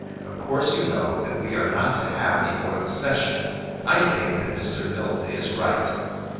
Of course you know that we are not to have the autumn session. I think that Mr. Mildmay is right.